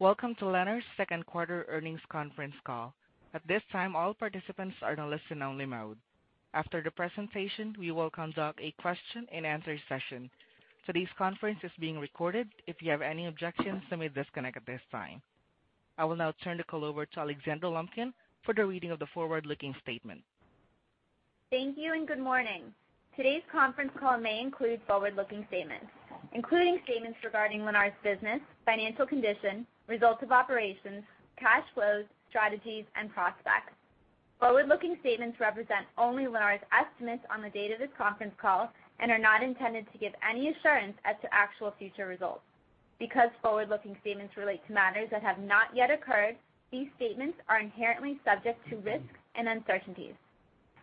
Welcome to Lennar's second quarter earnings conference call. At this time, all participants are in a listen-only mode. After the presentation, we will conduct a question-and-answer session. Today's conference is being recorded. If you have any objections, you may disconnect at this time. I will now turn the call over to Alexandra Lumpkin for the reading of the forward-looking statement. Thank you. Good morning. Today's conference call may include forward-looking statements, including statements regarding Lennar's business, financial condition, results of operations, cash flows, strategies, and prospects. Forward-looking statements represent only Lennar's estimates on the date of this conference call and are not intended to give any assurance as to actual future results. Because forward-looking statements relate to matters that have not yet occurred, these statements are inherently subject to risks and uncertainties.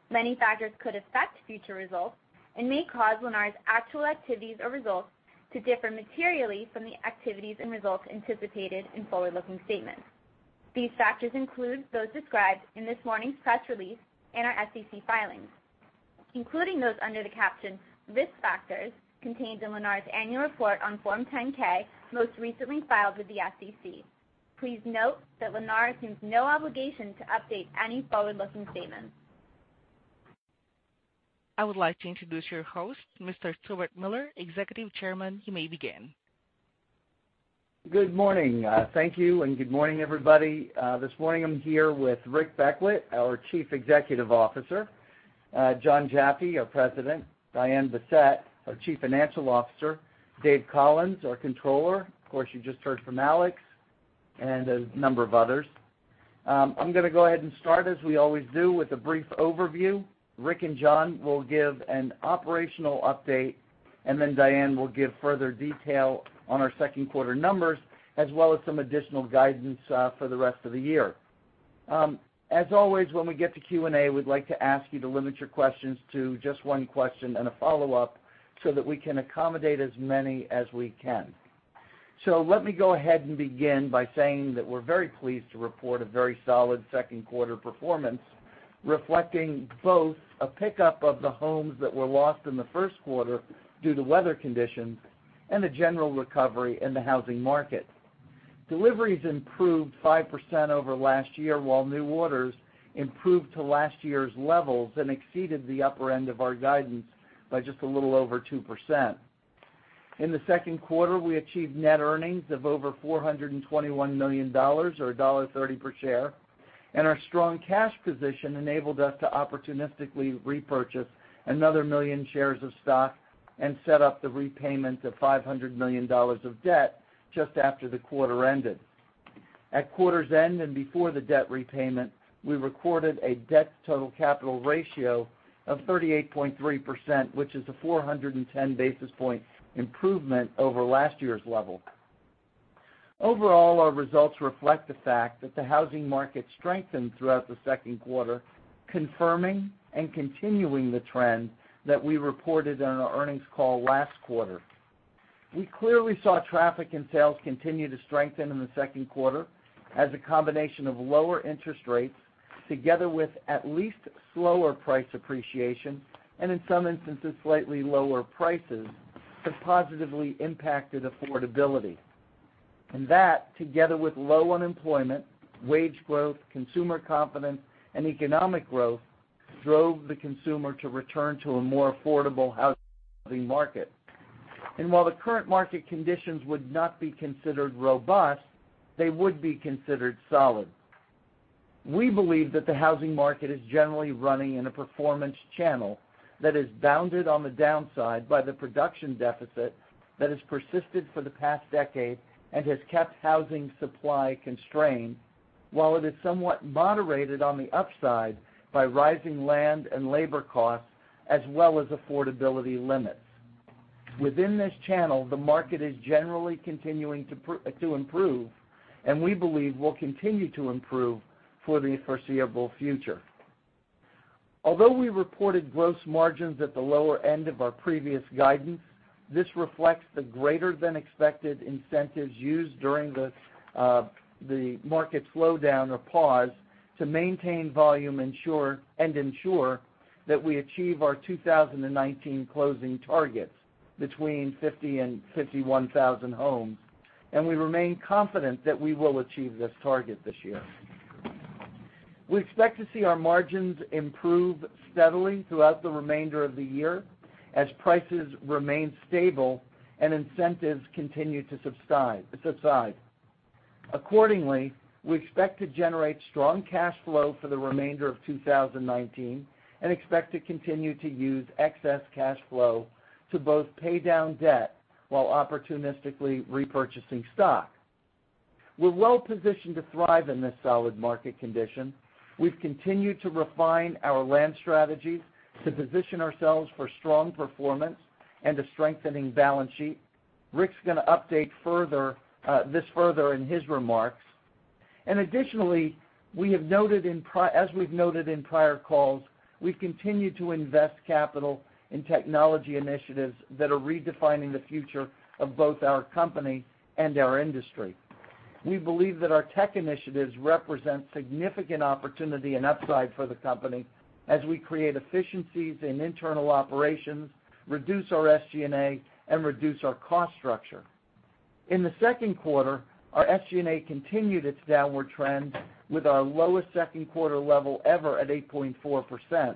Many factors could affect future results and may cause Lennar's actual activities or results to differ materially from the activities and results anticipated in forward-looking statements. These factors include those described in this morning's press release and our SEC filings, including those under the caption risk factors contained in Lennar's annual report on Form 10-K, most recently filed with the SEC. Please note that Lennar assumes no obligation to update any forward-looking statements. I would like to introduce your host, Mr. Stuart Miller, Executive Chairman. You may begin. Good morning. Thank you. Good morning, everybody. This morning, I'm here with Rick Beckwitt, our Chief Executive Officer, Jon Jaffe, our President, Diane Bessette, our Chief Financial Officer, David Collins, our Controller. Of course, you just heard from Alex and a number of others. I'm going to go ahead and start, as we always do, with a brief overview. Rick and Jon will give an operational update. Then Diane will give further detail on our second-quarter numbers, as well as some additional guidance for the rest of the year. As always, when we get to Q&A, we'd like to ask you to limit your questions to just one question and a follow-up so that we can accommodate as many as we can. Let me go ahead and begin by saying that we're very pleased to report a very solid second-quarter performance, reflecting both a pickup of the homes that were lost in the first quarter due to weather conditions and a general recovery in the housing market. Deliveries improved 5% over last year, while new orders improved to last year's levels and exceeded the upper end of our guidance by just a little over 2%. In the second quarter, we achieved net earnings of over $421 million, or $1.30 per share, and our strong cash position enabled us to opportunistically repurchase another million shares of stock and set up the repayment of $500 million of debt just after the quarter ended. At quarter's end and before the debt repayment, we recorded a debt-to-total capital ratio of 38.3%, which is a 410-basis-point improvement over last year's level. Overall, our results reflect the fact that the housing market strengthened throughout the second quarter, confirming and continuing the trend that we reported on our earnings call last quarter. We clearly saw traffic and sales continue to strengthen in the second quarter as a combination of lower interest rates, together with at least slower price appreciation, and in some instances, slightly lower prices, have positively impacted affordability. That, together with low unemployment, wage growth, consumer confidence, and economic growth, drove the consumer to return to a more affordable housing market. While the current market conditions would not be considered robust, they would be considered solid. We believe that the housing market is generally running in a performance channel that is bounded on the downside by the production deficit that has persisted for the past decade and has kept housing supply constrained, while it is somewhat moderated on the upside by rising land and labor costs as well as affordability limits. Within this channel, the market is generally continuing to improve, and we believe will continue to improve for the foreseeable future. Although we reported gross margins at the lower end of our previous guidance, this reflects the greater-than-expected incentives used during the market slowdown or pause to maintain volume and ensure that we achieve our 2019 closing targets between 50,000 and 51,000 homes, and we remain confident that we will achieve this target this year. We expect to see our margins improve steadily throughout the remainder of the year as prices remain stable and incentives continue to subside. Accordingly, we expect to generate strong cash flow for the remainder of 2019 and expect to continue to use excess cash flow to both pay down debt while opportunistically repurchasing stock. We're well-positioned to thrive in this solid market condition. We've continued to refine our land strategy to position ourselves for strong performance and a strengthening balance sheet. Rick's going to update this further in his remarks. Additionally, as we've noted in prior calls, we've continued to invest capital in technology initiatives that are redefining the future of both our company and our industry. We believe that our tech initiatives represent significant opportunity and upside for the company as we create efficiencies in internal operations, reduce our SG&A, and reduce our cost structure. In the second quarter, our SG&A continued its downward trend with our lowest second-quarter level ever at 8.4%.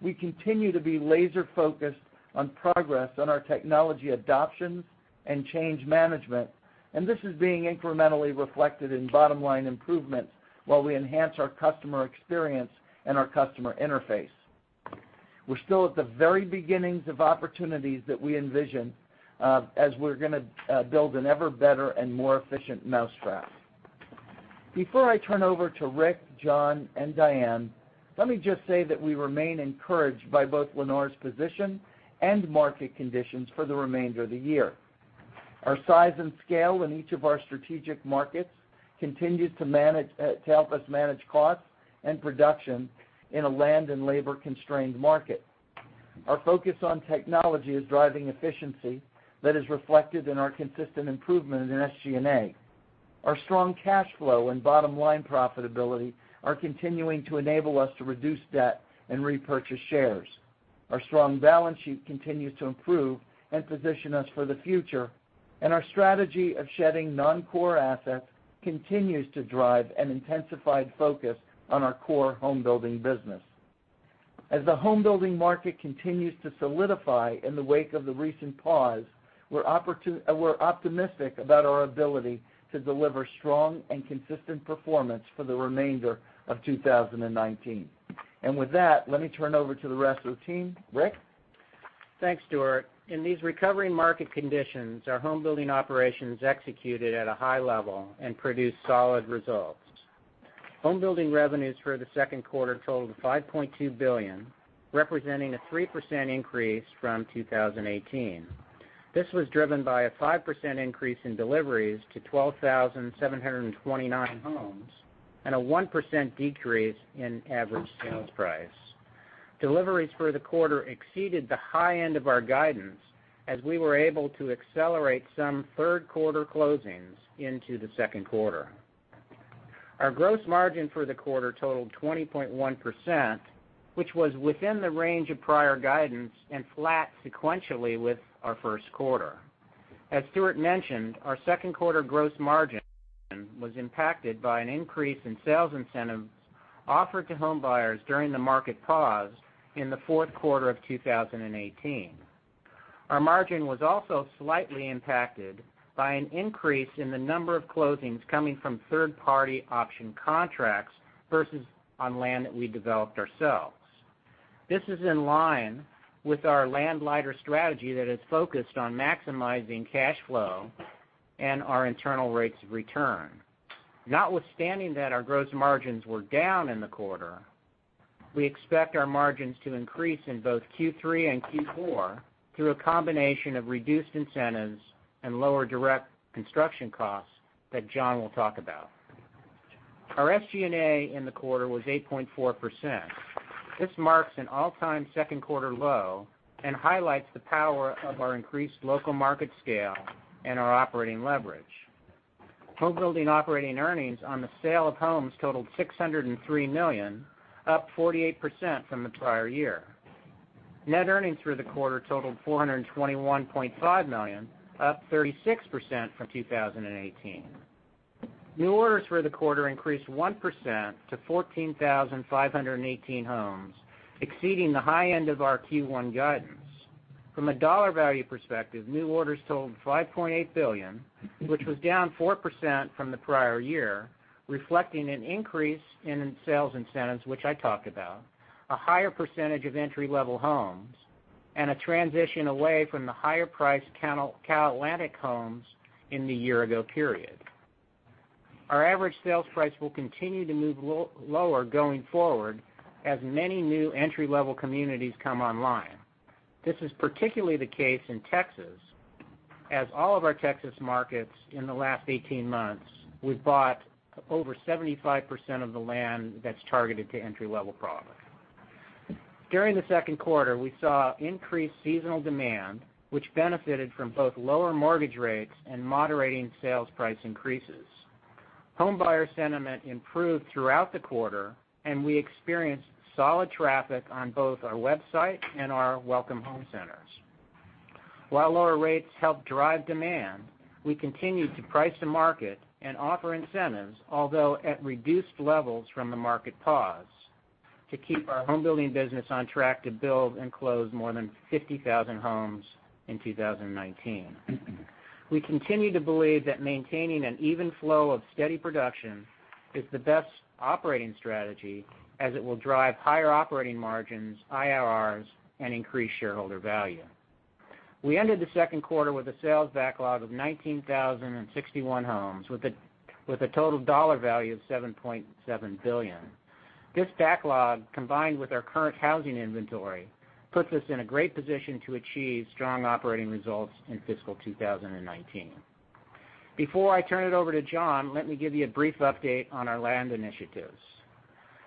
We continue to be laser-focused on progress on our technology adoptions and change management, and this is being incrementally reflected in bottom-line improvements while we enhance our customer experience and our customer interface. We're still at the very beginnings of opportunities that we envision as we're going to build an ever-better and more efficient mousetrap. Before I turn over to Rick, John, and Diane, let me just say that we remain encouraged by both Lennar's position and market conditions for the remainder of the year. Our size and scale in each of our strategic markets continue to help us manage costs and production in a land and labor-constrained market. Our focus on technology is driving efficiency that is reflected in our consistent improvement in SG&A. Our strong cash flow and bottom-line profitability are continuing to enable us to reduce debt and repurchase shares. Our strong balance sheet continues to improve and position us for the future, and our strategy of shedding non-core assets continues to drive an intensified focus on our core home building business. As the home building market continues to solidify in the wake of the recent pause, we're optimistic about our ability to deliver strong and consistent performance for the remainder of 2019. With that, let me turn over to the rest of the team. Rick? Thanks, Stuart. In these recovering market conditions, our home building operations executed at a high level and produced solid results. Home building revenues for the second quarter totaled $5.2 billion, representing a 3% increase from 2018. This was driven by a 5% increase in deliveries to 12,729 homes and a 1% decrease in average sales price. Deliveries for the quarter exceeded the high end of our guidance as we were able to accelerate some third-quarter closings into the second quarter. Our gross margin for the quarter totaled 20.1%, which was within the range of prior guidance and flat sequentially with our first quarter. As Stuart mentioned, our second quarter gross margin was impacted by an increase in sales incentives offered to home buyers during the market pause in the fourth quarter of 2018. Our margin was also slightly impacted by an increase in the number of closings coming from third-party option contracts versus on land that we developed ourselves. This is in line with our land-lighter strategy that is focused on maximizing cash flow and our internal rates of return. Notwithstanding that our gross margins were down in the quarter, we expect our margins to increase in both Q3 and Q4 through a combination of reduced incentives and lower direct construction costs that John will talk about. Our SG&A in the quarter was 8.4%. This marks an all-time second-quarter low and highlights the power of our increased local market scale and our operating leverage. Home building operating earnings on the sale of homes totaled $603 million, up 48% from the prior year. Net earnings for the quarter totaled $421.5 million, up 36% from 2018. New orders for the quarter increased 1% to 14,518 homes, exceeding the high end of our Q1 guidance. From a dollar value perspective, new orders totaled $5.8 billion, which was down 4% from the prior year, reflecting an increase in sales incentives, which I talked about, a higher percentage of entry-level homes, and a transition away from the higher-priced CalAtlantic homes in the year-ago period. Our average sales price will continue to move lower going forward as many new entry-level communities come online. This is particularly the case in Texas, as all of our Texas markets in the last 18 months, we've bought over 75% of the land that's targeted to entry-level product. During the second quarter, we saw increased seasonal demand, which benefited from both lower mortgage rates and moderating sales price increases. Home buyer sentiment improved throughout the quarter. We experienced solid traffic on both our website and our Welcome Home Centers. While lower rates help drive demand, we continue to price the market and offer incentives, although at reduced levels from the market pause, to keep our homebuilding business on track to build and close more than 50,000 homes in 2019. We continue to believe that maintaining an even flow of steady production is the best operating strategy as it will drive higher operating margins, IRRs, and increase shareholder value. We ended the second quarter with a sales backlog of 19,061 homes with a total dollar value of $7.7 billion. This backlog, combined with our current housing inventory, puts us in a great position to achieve strong operating results in fiscal 2019. Before I turn it over to Jon, let me give you a brief update on our land initiatives.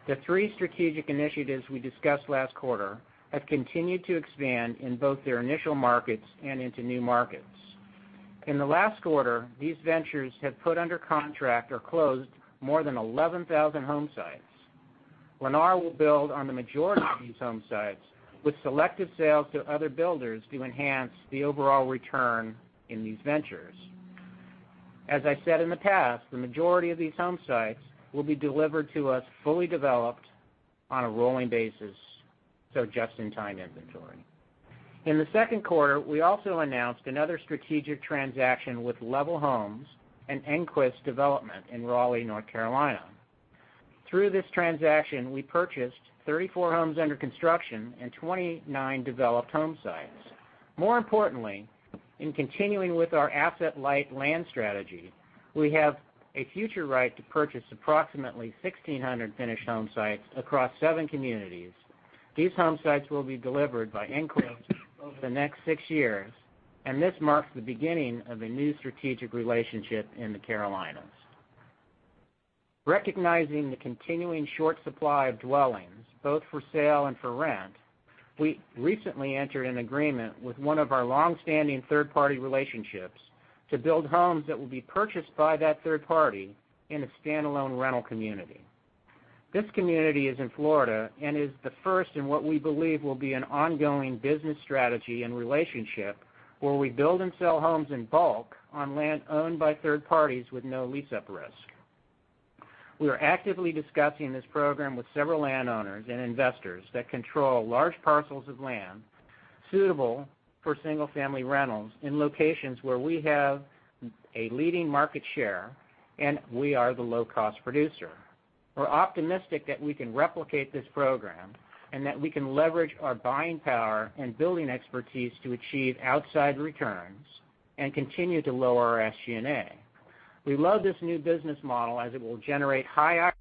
The three strategic initiatives we discussed last quarter have continued to expand in both their initial markets and into new markets. In the last quarter, these ventures have put under contract or closed more than 11,000 home sites. Lennar will build on the majority of these home sites with selective sales to other builders to enhance the overall return in these ventures. As I said in the past, the majority of these home sites will be delivered to us fully developed on a rolling basis, so just-in-time inventory. In the second quarter, we also announced another strategic transaction with Level Homes and Engquist Development in Raleigh, North Carolina. Through this transaction, we purchased 34 homes under construction and 29 developed home sites. More importantly, in continuing with our asset-light land strategy, we have a future right to purchase approximately 1,600 finished home sites across seven communities. These home sites will be delivered by Engquist over the next six years. This marks the beginning of a new strategic relationship in the Carolinas. Recognizing the continuing short supply of dwellings, both for sale and for rent, we recently entered an agreement with one of our long-standing third-party relationships to build homes that will be purchased by that third party in a standalone rental community. This community is in Florida and is the first in what we believe will be an ongoing business strategy and relationship where we build and sell homes in bulk on land owned by third parties with no lease-up risk. We are actively discussing this program with several landowners and investors that control large parcels of land suitable for single-family rentals in locations where we have a leading market share and we are the low-cost producer. We're optimistic that we can replicate this program, and that we can leverage our buying power and building expertise to achieve outside returns and continue to lower our SG&A. We love this new business model as it will generate high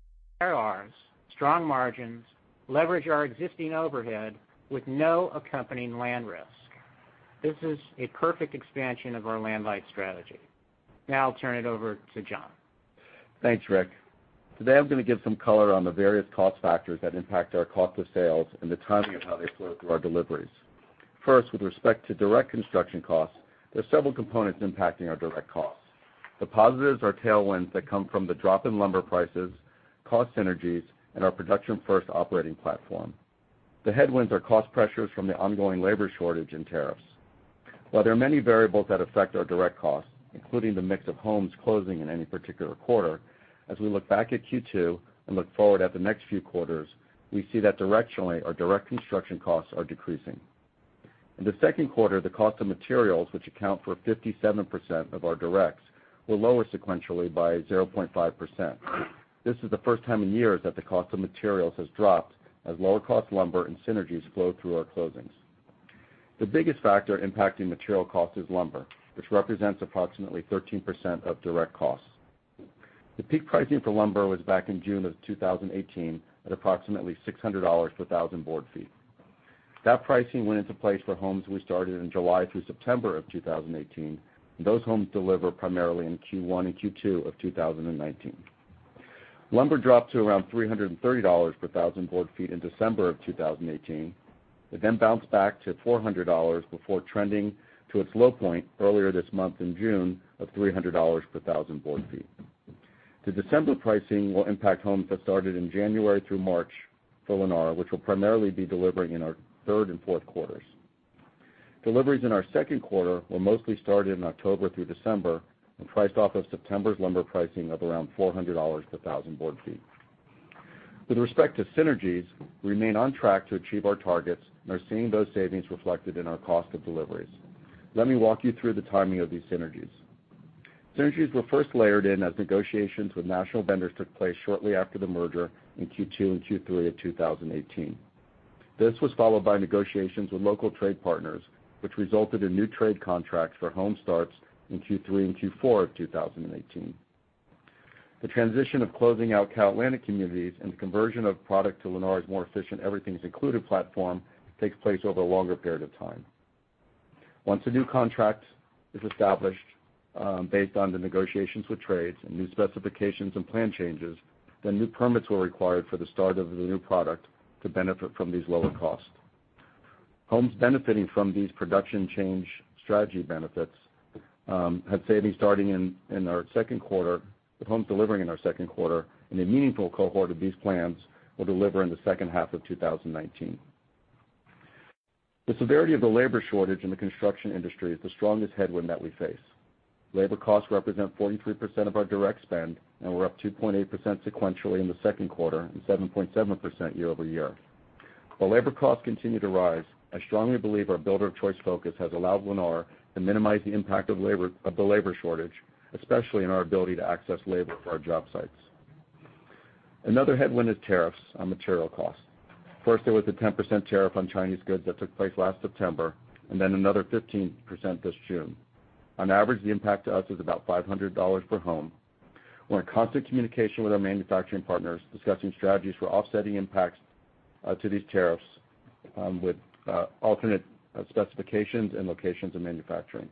ROIs, strong margins, leverage our existing overhead with no accompanying land risk. This is a perfect expansion of our land-light strategy. Now I'll turn it over to Jon. Thanks, Rick. Today I'm going to give some color on the various cost factors that impact our cost of sales and the timing of how they flow through our deliveries. First, with respect to direct construction costs, there are several components impacting our direct costs. The positives are tailwinds that come from the drop in lumber prices, cost synergies, and our production-first operating platform. The headwinds are cost pressures from the ongoing labor shortage and tariffs. While there are many variables that affect our direct costs, including the mix of homes closing in any particular quarter, as we look back at Q2 and look forward at the next few quarters, we see that directionally, our direct construction costs are decreasing. In the second quarter, the cost of materials, which account for 57% of our directs, were lower sequentially by 0.5%. This is the first time in years that the cost of materials has dropped as lower-cost lumber and synergies flow through our closings. The biggest factor impacting material cost is lumber, which represents approximately 13% of direct costs. The peak pricing for lumber was back in June of 2018 at approximately $600 per thousand board feet. That pricing went into place for homes we started in July through September of 2018. Those homes deliver primarily in Q1 and Q2 of 2019. Lumber dropped to around $330 per thousand board feet in December of 2018, but then bounced back to $400 before trending to its low point earlier this month in June of $300 per thousand board feet. The December pricing will impact homes that started in January through March for Lennar, which will primarily be delivering in our third and fourth quarters. Deliveries in our second quarter were mostly started in October through December and priced off of September's lumber pricing of around $400 per thousand board feet. With respect to synergies, we remain on track to achieve our targets and are seeing those savings reflected in our cost of deliveries. Let me walk you through the timing of these synergies. Synergies were first layered in as negotiations with national vendors took place shortly after the merger in Q2 and Q3 of 2018. This was followed by negotiations with local trade partners, which resulted in new trade contracts for home starts in Q3 and Q4 of 2018. The transition of closing out CalAtlantic communities and the conversion of product to Lennar's more efficient Everything's Included platform takes place over a longer period of time. Once a new contract is established based on the negotiations with trades and new specifications and plan changes, new permits were required for the start of the new product to benefit from these lower costs. Homes benefiting from these production change strategy benefits had savings starting in our second quarter, with homes delivering in our second quarter, and a meaningful cohort of these plans will deliver in the second half of 2019. The severity of the labor shortage in the construction industry is the strongest headwind that we face. Labor costs represent 43% of our direct spend, and were up 2.8% sequentially in the second quarter and 7.7% year-over-year. While labor costs continue to rise, I strongly believe our builder-of-choice focus has allowed Lennar to minimize the impact of the labor shortage, especially in our ability to access labor for our job sites. Another headwind is tariffs on material costs. There was a 10% tariff on Chinese goods that took place last September, and another 15% this June. On average, the impact to us is about $500 per home. We're in constant communication with our manufacturing partners, discussing strategies for offsetting impacts to these tariffs with alternate specifications and locations of manufacturing.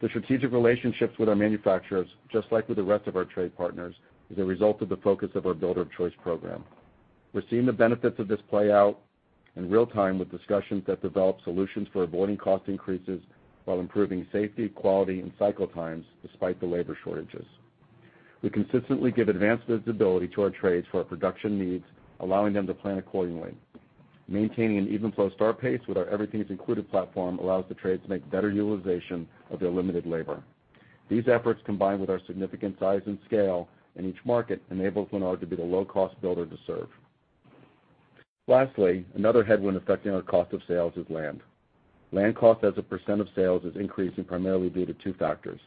The strategic relationships with our manufacturers, just like with the rest of our trade partners, is a result of the focus of our Builder of Choice program. We're seeing the benefits of this play out in real time with discussions that develop solutions for avoiding cost increases while improving safety, quality, and cycle times despite the labor shortages. We consistently give advanced visibility to our trades for our production needs, allowing them to plan accordingly. Maintaining an even flow start pace with our Everything Included platform allows the trades to make better utilization of their limited labor. These efforts, combined with our significant size and scale in each market, enables Lennar to be the low-cost builder to serve. Lastly, another headwind affecting our cost of sales is land. Land cost as a percent of sales is increasing primarily due to two factors.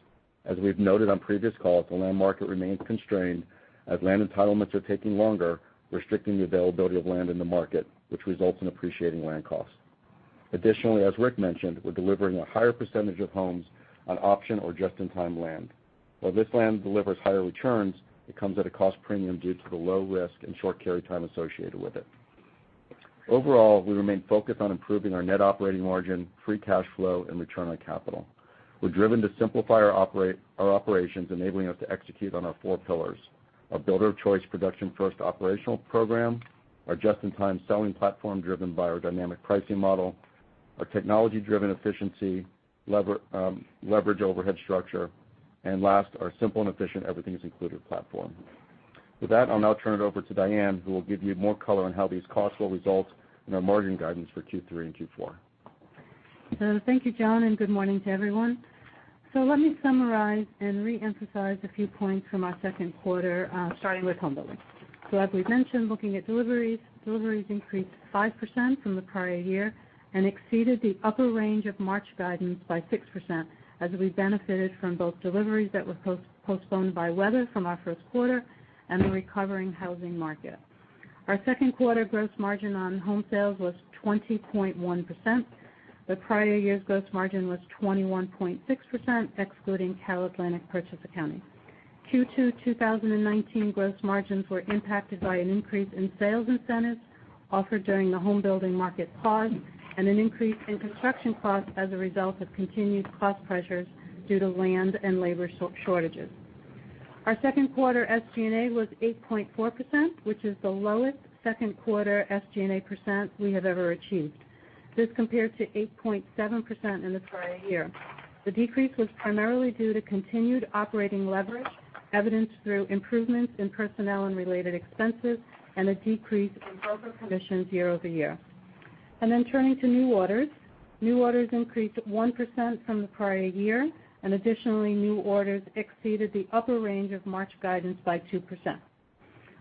As we've noted on previous calls, the land market remains constrained as land entitlements are taking longer, restricting the availability of land in the market, which results in appreciating land costs. Additionally, as Rick mentioned, we're delivering a higher percentage of homes on option or just-in-time land. While this land delivers higher returns, it comes at a cost premium due to the low risk and short carry time associated with it. Overall, we remain focused on improving our net operating margin, free cash flow, and return on capital. We're driven to simplify our operations, enabling us to execute on our four pillars: our Builder of Choice production-first operational program, our just-in-time selling platform driven by our dynamic pricing model, our technology-driven efficiency, leverage overhead structure, and last, our simple and efficient Everything Included platform. With that, I'll now turn it over to Diane, who will give you more color on how these costs will result in our margin guidance for Q3 and Q4. Thank you, Jon, and good morning to everyone. Let me summarize and reemphasize a few points from our second quarter, starting with homebuilding. As we've mentioned, looking at deliveries increased 5% from the prior year and exceeded the upper range of March guidance by 6%, as we benefited from both deliveries that were postponed by weather from our first quarter and the recovering housing market. Our second quarter gross margin on home sales was 20.1%. The prior year's gross margin was 21.6%, excluding CalAtlantic purchase accounting. Q2 2019 gross margins were impacted by an increase in sales incentives offered during the homebuilding market pause and an increase in construction costs as a result of continued cost pressures due to land and labor shortages. Our second quarter SG&A was 8.4%, which is the lowest second quarter SG&A percent we have ever achieved. This compares to 8.7% in the prior year. The decrease was primarily due to continued operating leverage, evidenced through improvements in personnel and related expenses, and a decrease in broker commissions year-over-year. Turning to new orders. New orders increased 1% from the prior year, and additionally, new orders exceeded the upper range of March guidance by 2%.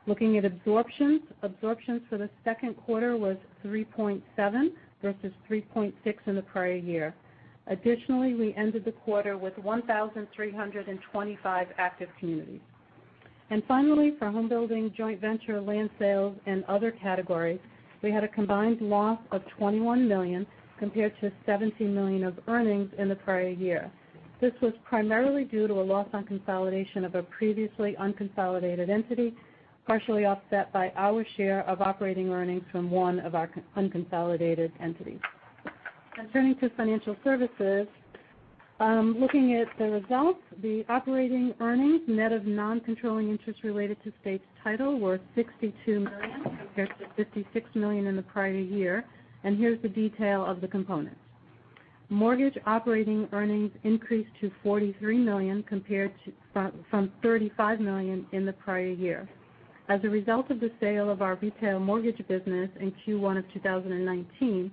Looking at absorptions. Absorptions for the second quarter was 3.7 versus 3.6 in the prior year. Additionally, we ended the quarter with 1,325 active communities. Finally, for homebuilding joint venture land sales and other categories, we had a combined loss of $21 million compared to $17 million of earnings in the prior year. This was primarily due to a loss on consolidation of a previously unconsolidated entity, partially offset by our share of operating earnings from one of our unconsolidated entities. Turning to financial services. Looking at the results, the operating earnings net of non-controlling interest related to States Title were $62 million compared to $56 million in the prior year, and here's the detail of the components. Mortgage operating earnings increased to $43 million from $35 million in the prior year. As a result of the sale of our retail mortgage business in Q1 of 2019,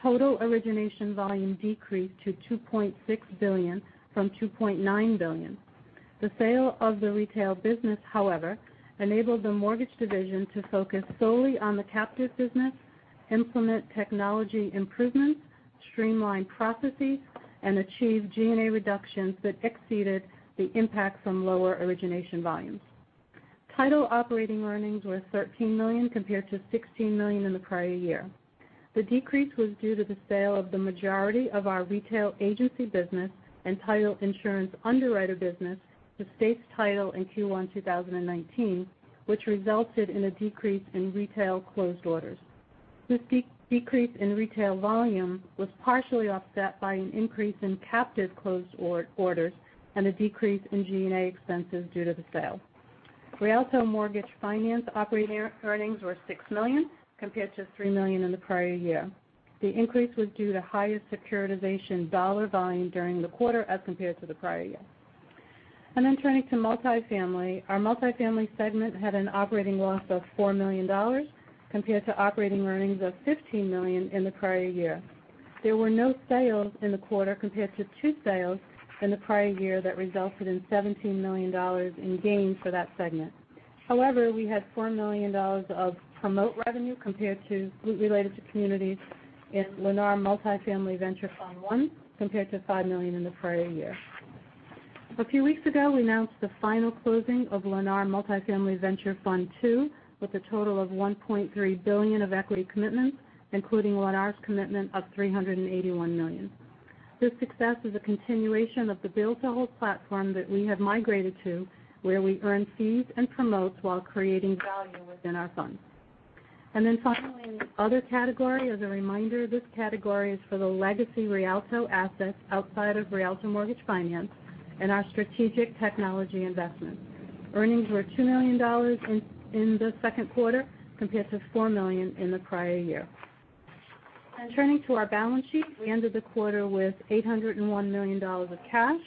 total origination volume decreased to $2.6 billion from $2.9 billion. The sale of the retail business, however, enabled the mortgage division to focus solely on the captive business, implement technology improvements, streamline processes, and achieve G&A reductions that exceeded the impact from lower origination volumes. Title operating earnings were $13 million compared to $16 million in the prior year. The decrease was due to the sale of the majority of our retail agency business and title insurance underwriter business to States Title in Q1 2019, which resulted in a decrease in retail closed orders. This decrease in retail volume was partially offset by an increase in captive closed orders and a decrease in G&A expenses due to the sale. Rialto Mortgage Finance operating earnings were $6 million compared to $3 million in the prior year. The increase was due to higher securitization dollar volume during the quarter as compared to the prior year. Turning to multifamily. Our multifamily segment had an operating loss of $4 million compared to operating earnings of $15 million in the prior year. There were no sales in the quarter compared to two sales in the prior year that resulted in $17 million in gains for that segment. We had $4 million of promote revenue related to communities in Lennar Multifamily Venture I, compared to $5 million in the prior year. A few weeks ago, we announced the final closing of Lennar Multifamily Venture II with a total of $1.3 billion of equity commitments, including Lennar's commitment of $381 million. This success is a continuation of the build-to-hold platform that we have migrated to, where we earn fees and promotes while creating value within our funds. Finally, other category. As a reminder, this category is for the legacy Rialto assets outside of Rialto Mortgage Finance and our strategic technology investments. Earnings were $2 million in the second quarter compared to $4 million in the prior year. Turning to our balance sheet, we ended the quarter with $801 million of cash.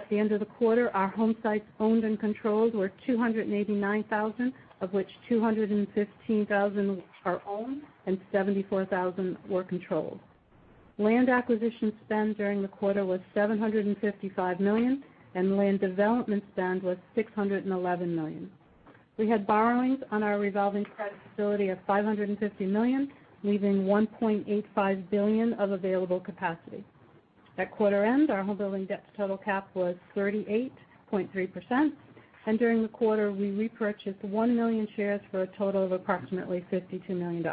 At the end of the quarter, our home sites owned and controlled were 289,000, of which 215,000 are owned and 74,000 were controlled. Land acquisition spend during the quarter was $755 million, and land development spend was $611 million. We had borrowings on our revolving credit facility of $550 million, leaving $1.85 billion of available capacity. At quarter end, our homebuilding debt to total cap was 38.3%, and during the quarter, we repurchased 1 million shares for a total of approximately $52 million.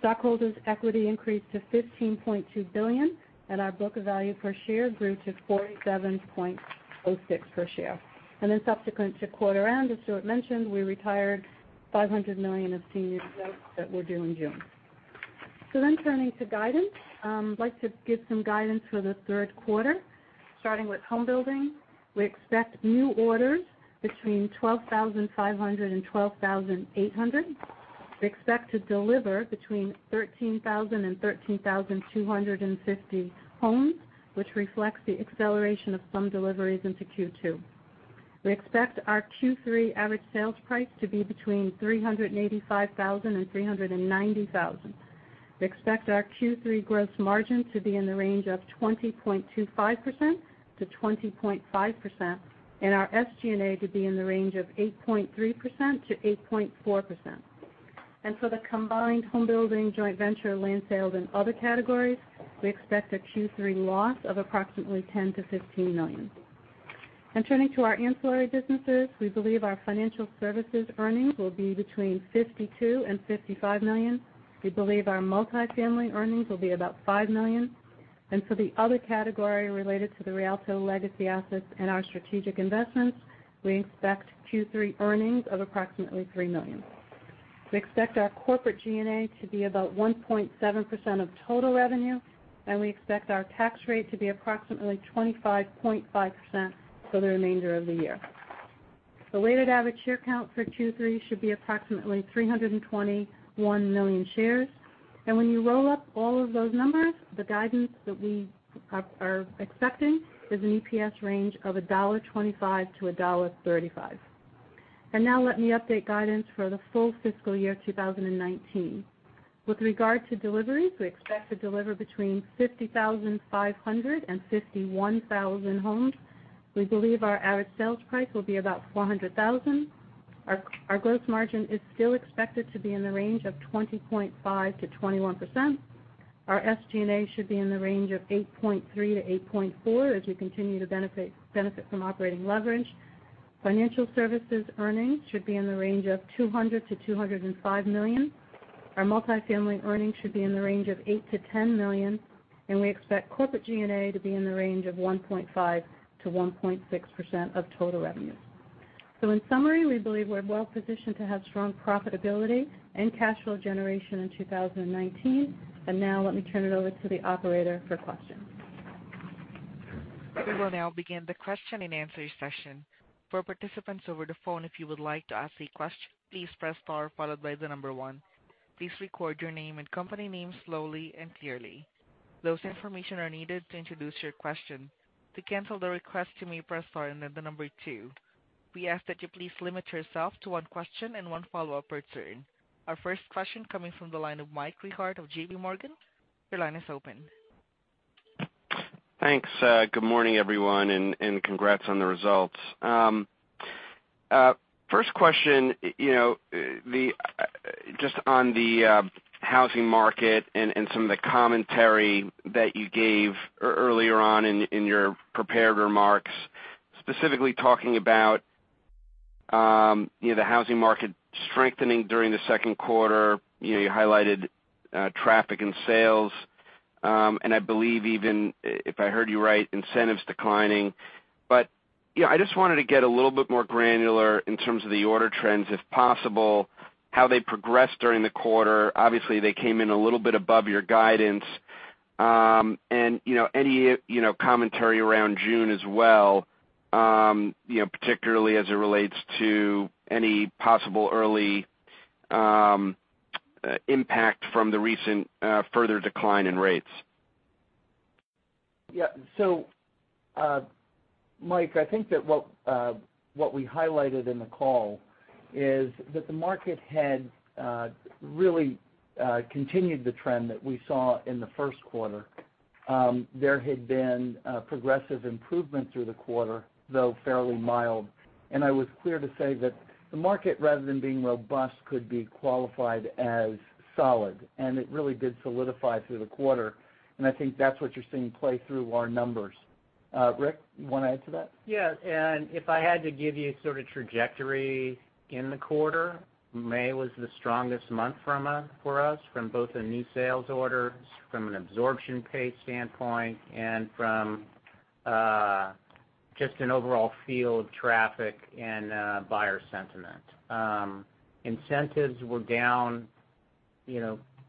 Stockholders' equity increased to $15.2 billion, and our book of value per share grew to $47.06 per share. Subsequent to quarter end, as Stuart mentioned, we retired $500 million of senior debt that were due in June. Turning to guidance. I'd like to give some guidance for the third quarter, starting with homebuilding. We expect new orders between 12,500 and 12,800. We expect to deliver between 13,000 and 13,250 homes, which reflects the acceleration of some deliveries into Q2. We expect our Q3 average sales price to be between $385,000 and $390,000. We expect our Q3 gross margin to be in the range of 20.25%-20.5%, and our SG&A to be in the range of 8.3%-8.4%. For the combined homebuilding joint venture land sales and other categories, we expect a Q3 loss of approximately $10 million-$15 million. Turning to our ancillary businesses, we believe our financial services earnings will be between $52 million-$55 million. We believe our multifamily earnings will be about $5 million. For the other category related to the Rialto legacy assets and our strategic investments, we expect Q3 earnings of approximately $3 million. We expect our corporate G&A to be about 1.7% of total revenue, and we expect our tax rate to be approximately 25.5% for the remainder of the year. The weighted average share count for Q3 should be approximately 321 million shares. When you roll up all of those numbers, the guidance that we are expecting is an EPS range of $1.25-$1.35. Now let me update guidance for the full fiscal year 2019. With regard to deliveries, we expect to deliver between 50,500 and 51,000 homes. We believe our average sales price will be about $400,000. Our gross margin is still expected to be in the range of 20.5%-21%. Our SG&A should be in the range of 8.3%-8.4% as we continue to benefit from operating leverage. Financial services earnings should be in the range of $200 million-$205 million. Our multifamily earnings should be in the range of $8 million-$10 million, and we expect corporate G&A to be in the range of 1.5%-1.6% of total revenue. In summary, we believe we're well positioned to have strong profitability and cash flow generation in 2019. Now let me turn it over to the operator for questions. We will now begin the question-and-answer session. For participants over the phone, if you would like to ask a question, please press star followed by the number one. Please record your name and company name slowly and clearly. Those information are needed to introduce your question. To cancel the request, you may press star and then the number two. We ask that you please limit yourself to one question and one follow-up per turn. Our first question coming from the line of Michael Rehaut of JPMorgan. Your line is open. Thanks. Good morning everyone, and congrats on the results. First question, just on the housing market and some of the commentary that you gave earlier on in your prepared remarks, specifically talking about the housing market strengthening during the second quarter. You highlighted traffic and sales, and I believe even, if I heard you right, incentives declining. I just wanted to get a little bit more granular in terms of the order trends, if possible, how they progressed during the quarter. Obviously, they came in a little bit above your guidance. Any commentary around June as well, particularly as it relates to any possible early impact from the recent further decline in rates. Yeah. Mike, I think that what we highlighted in the call is that the market had really continued the trend that we saw in the first quarter. There had been progressive improvement through the quarter, though fairly mild, and I was clear to say that the market, rather than being robust, could be qualified as solid. It really did solidify through the quarter, and I think that's what you're seeing play through our numbers. Rick, you want to add to that? Yes. If I had to give you sort of trajectory in the quarter, May was the strongest month for us from both a new sales orders, from an absorption pace standpoint, from Just an overall feel of traffic and buyer sentiment. Incentives were down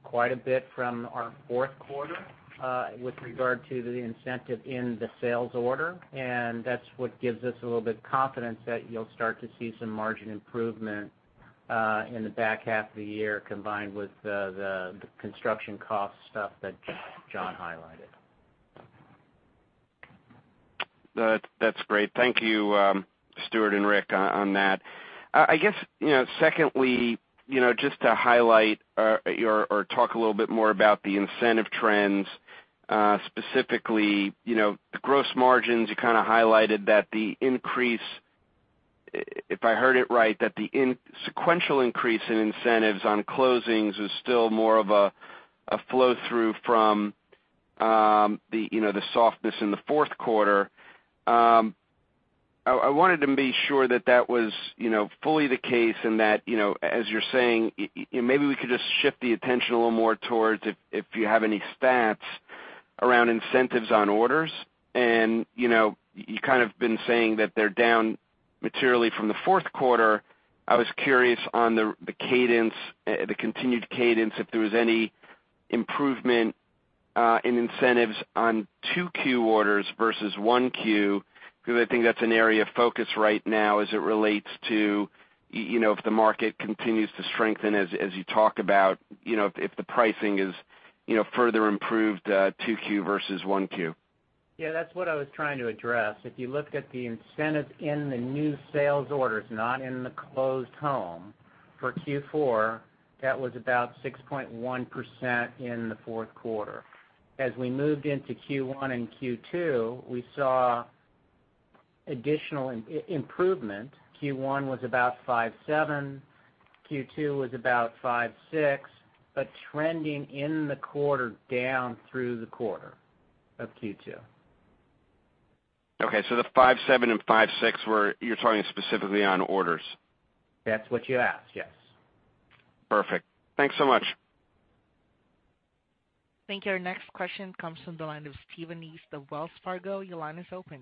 quite a bit from our fourth quarter with regard to the incentive in the sales order, that's what gives us a little bit of confidence that you'll start to see some margin improvement in the back half of the year, combined with the construction cost stuff that Jon highlighted. That's great. Thank you, Stuart and Rick, on that. Secondly, just to highlight or talk a little bit more about the incentive trends, specifically the gross margins, you kind of highlighted that the increase, if I heard it right, that the sequential increase in incentives on closings is still more of a flow-through from the softness in the fourth quarter. I wanted to be sure that that was fully the case and that, as you're saying, maybe we could just shift the attention a little more towards if you have any stats around incentives on orders. You kind of been saying that they're down materially from the fourth quarter. I was curious on the continued cadence, if there was any improvement in incentives on 2Q orders versus 1Q, because I think that's an area of focus right now as it relates to if the market continues to strengthen as you talk about, if the pricing is further improved 2Q versus 1Q. That's what I was trying to address. If you looked at the incentives in the new sales orders, not in the closed home, for Q4, that was about 6.1% in the fourth quarter. As we moved into Q1 and Q2, we saw additional improvement. Q1 was about 5.7%, Q2 was about 5.6%, but trending in the quarter down through the quarter of Q2. Okay, the 5.7 and 5.6, you're talking specifically on orders. That's what you asked, yes. Perfect. Thanks so much. Thank you. Our next question comes from the line of Stephen East of Wells Fargo. Your line is open.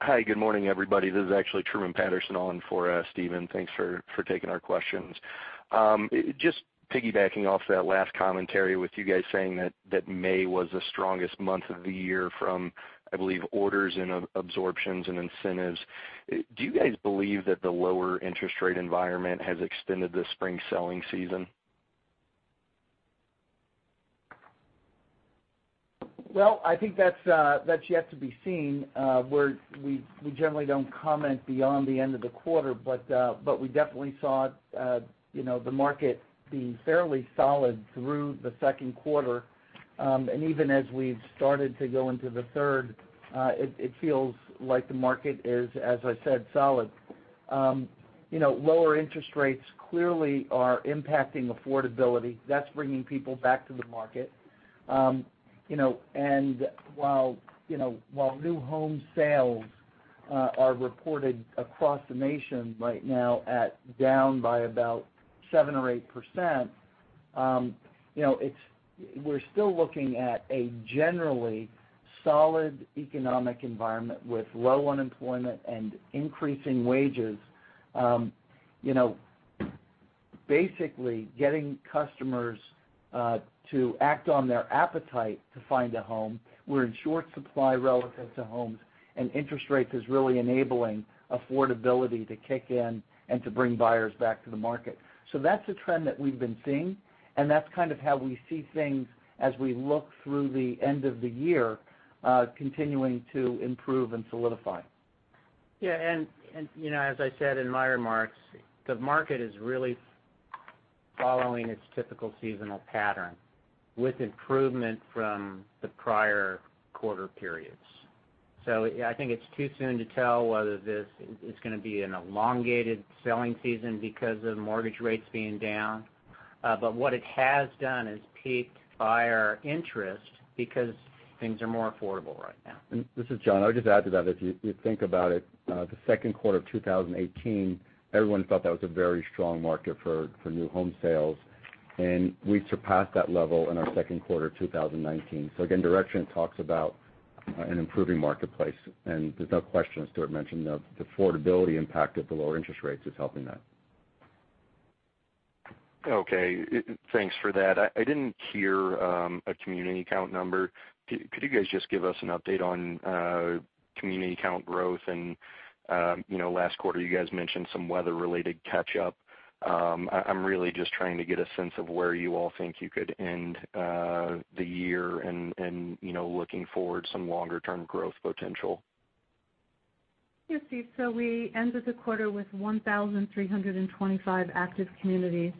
Hi, good morning, everybody. This is actually Truman Patterson on for Stephen. Thanks for taking our questions. Just piggybacking off that last commentary with you guys saying that May was the strongest month of the year from, I believe, orders and absorptions and incentives. Do you guys believe that the lower interest rate environment has extended the spring selling season? Well, I think that's yet to be seen. We generally don't comment beyond the end of the quarter, but we definitely saw the market being fairly solid through the second quarter, and even as we've started to go into the third, it feels like the market is, as I said, solid. Lower interest rates clearly are impacting affordability. That's bringing people back to the market. While new home sales are reported across the nation right now at down by about 7% or 8%, we're still looking at a generally solid economic environment with low unemployment and increasing wages. Basically getting customers to act on their appetite to find a home. We're in short supply relative to homes, and interest rates is really enabling affordability to kick in and to bring buyers back to the market. That's a trend that we've been seeing, and that's kind of how we see things as we look through the end of the year continuing to improve and solidify. As I said in my remarks, the market is really following its typical seasonal pattern with improvement from the prior quarter periods. I think it's too soon to tell whether this is going to be an elongated selling season because of mortgage rates being down. What it has done is piqued buyer interest because things are more affordable right now. This is Jon. I would just add to that, if you think about it, the second quarter of 2018, everyone thought that was a very strong market for new home sales, and we surpassed that level in our second quarter 2019. Again, direction talks about an improving marketplace, and there's no question, as Stuart mentioned, the affordability impact of the lower interest rates is helping that. Okay. Thanks for that. I didn't hear a community count number. Could you guys just give us an update on community count growth? Last quarter, you guys mentioned some weather-related catch-up. I'm really just trying to get a sense of where you all think you could end the year and looking forward some longer-term growth potential. Yes, Stephen. We ended the quarter with 1,325 active communities.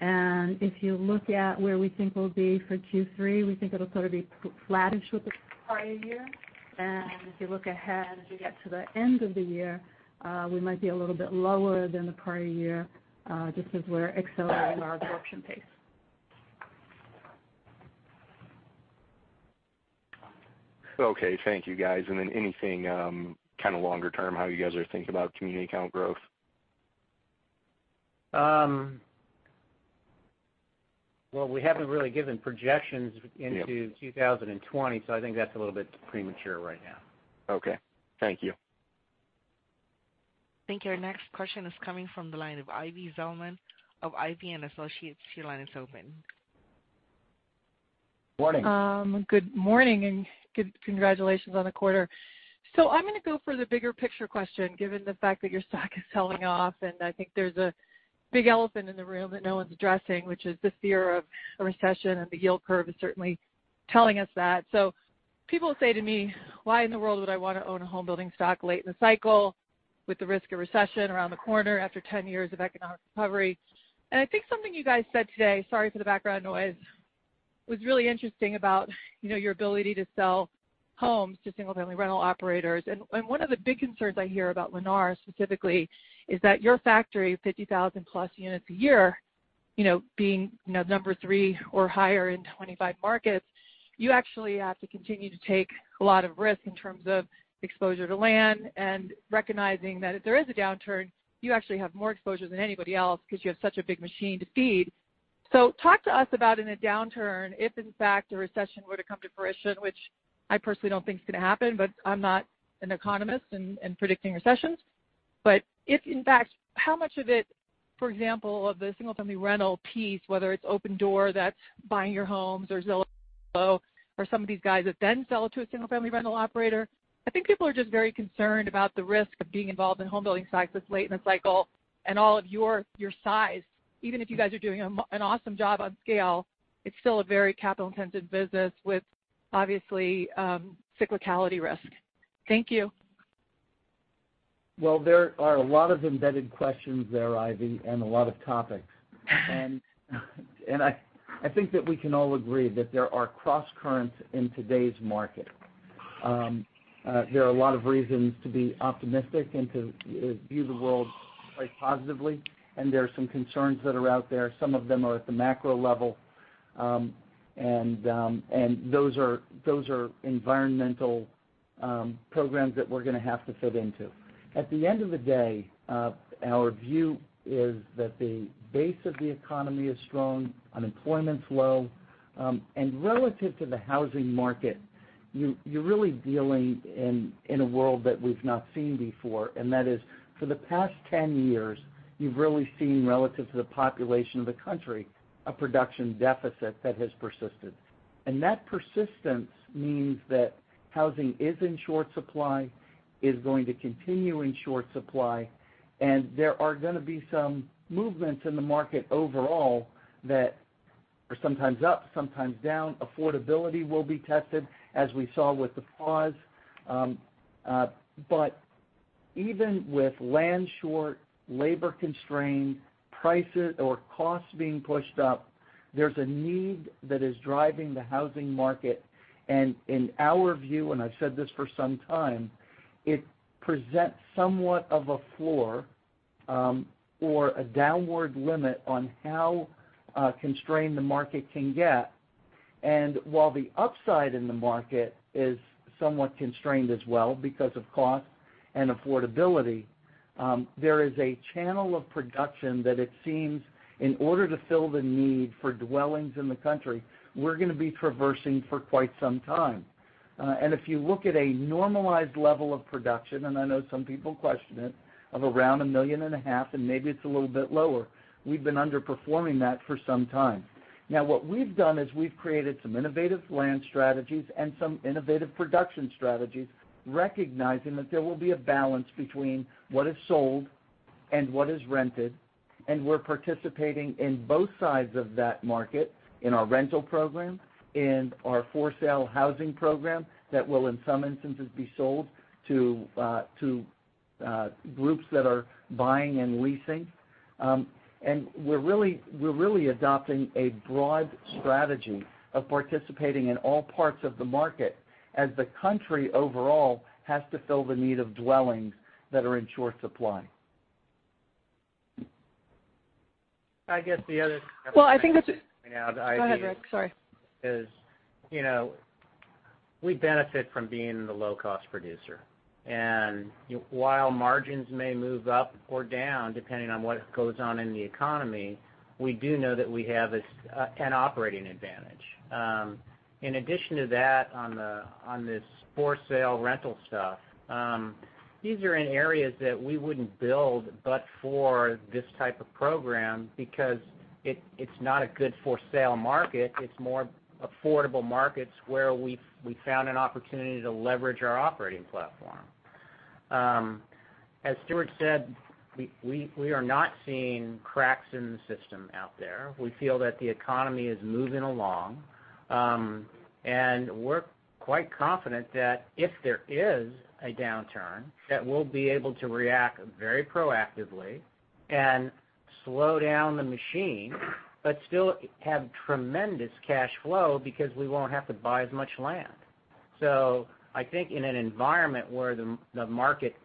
If you look at where we think we'll be for Q3, we think it'll sort of be flattish with the prior year. If you look ahead, as we get to the end of the year, we might be a little bit lower than the prior year just as we're accelerating our absorption pace. Okay. Thank you, guys. Anything kind of longer term, how you guys are thinking about community count growth? Well, we haven't really given projections into 2020. I think that's a little bit premature right now. Okay. Thank you. Thank you. Our next question is coming from the line of Ivy Zelman of Zelman & Associates. Your line is open. Morning. Good morning. Congratulations on the quarter. I'm going to go for the bigger picture question, given the fact that your stock is selling off. I think there's a big elephant in the room that no one's addressing, which is the fear of a recession. The yield curve is certainly telling us that. People say to me, "Why in the world would I want to own a homebuilding stock late in the cycle with the risk of recession around the corner after 10 years of economic recovery?" I think something you guys said today, sorry for the background noise, was really interesting about your ability to sell homes to single-family rental operators. One of the big concerns I hear about Lennar specifically is that your factory of 50,000-plus units a year, being number 3 or higher in 25 markets, you actually have to continue to take a lot of risk in terms of exposure to land and recognizing that if there is a downturn, you actually have more exposure than anybody else because you have such a big machine to feed. Talk to us about in a downturn, if in fact, a recession were to come to fruition, which I personally don't think is going to happen, but I'm not an economist in predicting recessions. If in fact, how much of it, for example, of the single-family rental piece, whether it's Opendoor that's buying your homes or Zillow or some of these guys that then sell it to a single-family rental operator. I think people are just very concerned about the risk of being involved in homebuilding cycles late in the cycle and all of your size. Even if you guys are doing an awesome job on scale, it's still a very capital-intensive business with, obviously, cyclicality risk. Thank you. Well, there are a lot of embedded questions there, Ivy, and a lot of topics. I think that we can all agree that there are cross currents in today's market. There are a lot of reasons to be optimistic and to view the world quite positively, and there are some concerns that are out there. Some of them are at the macro level, and those are environmental programs that we're going to have to fit into. At the end of the day, our view is that the base of the economy is strong, unemployment's low, and relative to the housing market, you're really dealing in a world that we've not seen before, and that is for the past 10 years, you've really seen, relative to the population of the country, a production deficit that has persisted. That persistence means that housing is in short supply, is going to continue in short supply, and there are going to be some movements in the market overall that are sometimes up, sometimes down. Affordability will be tested, as we saw with the pause. Even with land short, labor constrained, prices or costs being pushed up, there's a need that is driving the housing market. In our view, and I've said this for some time, it presents somewhat of a floor or a downward limit on how constrained the market can get. While the upside in the market is somewhat constrained as well because of cost and affordability, there is a channel of production that it seems in order to fill the need for dwellings in the country, we're going to be traversing for quite some time. If you look at a normalized level of production, and I know some people question it, of around 1.5 million, and maybe it's a little bit lower, we've been underperforming that for some time. What we've done is we've created some innovative land strategies and some innovative production strategies, recognizing that there will be a balance between what is sold and what is rented. We're participating in both sides of that market in our rental program and our for-sale housing program that will, in some instances, be sold to groups that are buying and leasing. We're really adopting a broad strategy of participating in all parts of the market as the country overall has to fill the need of dwellings that are in short supply. I guess the other thing. I think that's it. Go ahead, Rick. Sorry. is we benefit from being the low-cost producer. While margins may move up or down, depending on what goes on in the economy, we do know that we have an operating advantage. In addition to that, on this for-sale rental stuff, these are in areas that we wouldn't build but for this type of program because it's not a good for-sale market. It's more affordable markets where we found an opportunity to leverage our operating platform. As Stuart said, we are not seeing cracks in the system out there. We feel that the economy is moving along. We're quite confident that if there is a downturn, that we'll be able to react very proactively and slow down the machine, but still have tremendous cash flow because we won't have to buy as much land. I think in an environment where the market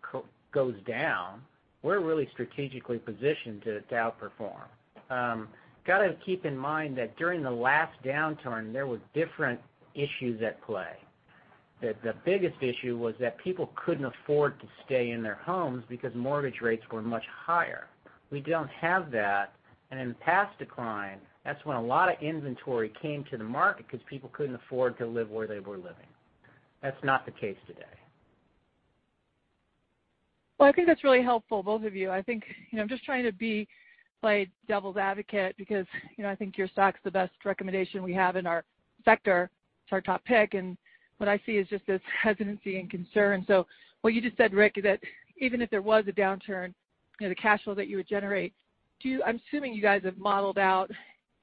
goes down, we're really strategically positioned to outperform. Got to keep in mind that during the last downturn, there were different issues at play. The biggest issue was that people couldn't afford to stay in their homes because mortgage rates were much higher. We don't have that, in the past decline, that's when a lot of inventory came to the market because people couldn't afford to live where they were living. That's not the case today. Well, I think that's really helpful, both of you. I'm just trying to play devil's advocate because I think your stock's the best recommendation we have in our sector. It's our top pick, what I see is just this hesitancy and concern. What you just said, Rick, is that even if there was a downturn, the cash flow that you would generate, I'm assuming you guys have modeled out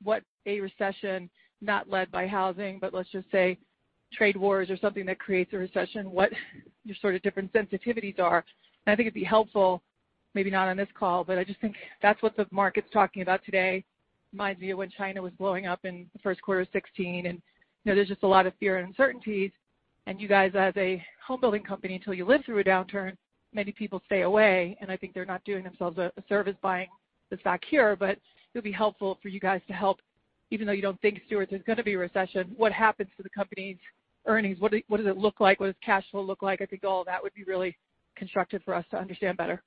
what a recession, not led by housing, but let's just say trade wars or something that creates a recession, what your sort of different sensitivities are. I think it'd be helpful, maybe not on this call, but I just think that's what the market's talking about today. Reminds me of when China was blowing up in the first quarter of 2016, there's just a lot of fear and uncertainties, you guys as a homebuilding company, until you live through a downturn, many people stay away, I think they're not doing themselves a service buying the stock here. It'll be helpful for you guys to help, even though you don't think, Stuart, there's going to be a recession, what happens to the company's earnings? What does it look like? What does cash flow look like? I think all that would be really constructive for us to understand better.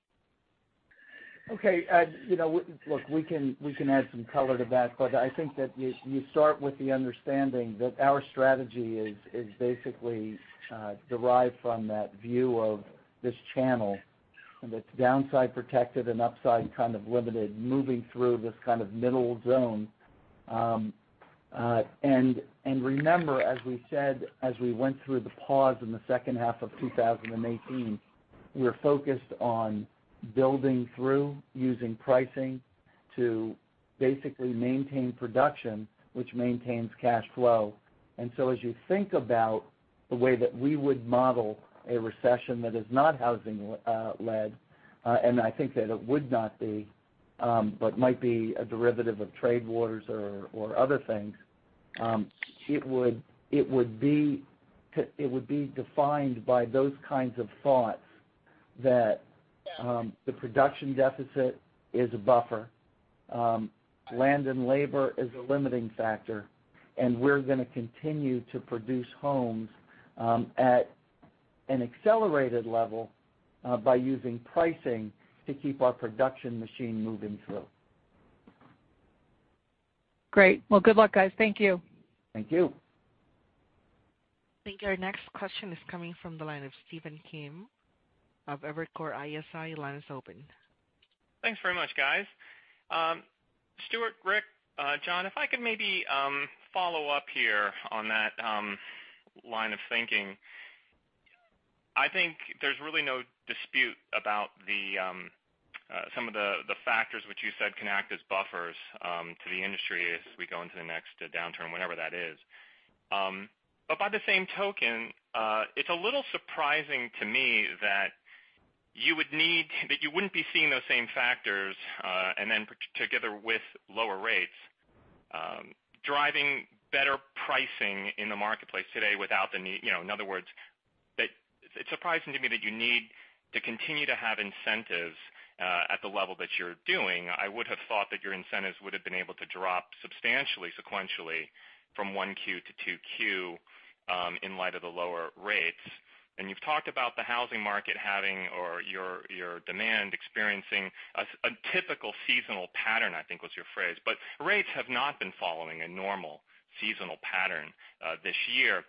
Okay. Look, we can add some color to that, I think that you start with the understanding that our strategy is basically derived from that view of this channel, it's downside protected and upside kind of limited, moving through this kind of middle zone. Remember, as we said, as we went through the pause in the second half of 2018, we are focused on building through, using pricing to basically maintain production, which maintains cash flow. As you think about the way that we would model a recession that is not housing-led, I think that it would not be, but might be a derivative of trade wars or other things, it would be defined by those kinds of thoughts that the production deficit is a buffer. Land and labor is a limiting factor, we're going to continue to produce homes at an accelerated level by using pricing to keep our production machine moving through. Great. Well, good luck, guys. Thank you. Thank you. I think our next question is coming from the line of Stephen Kim of Evercore ISI. Line is open. Thanks very much, guys. Stuart, Rick, Jon, if I could maybe follow up here on that line of thinking. I think there's really no dispute about some of the factors which you said can act as buffers to the industry as we go into the next downturn, whenever that is. By the same token, it's a little surprising to me that you wouldn't be seeing those same factors, and then together with lower rates, driving better pricing in the marketplace today. In other words, it's surprising to me that you need to continue to have incentives at the level that you're doing. I would have thought that your incentives would have been able to drop substantially sequentially from one Q to two Q, in light of the lower rates. You've talked about the housing market having, or your demand experiencing a typical seasonal pattern, I think was your phrase. Rates have not been following a normal seasonal pattern, this year.